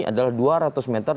adalah dua ratus meter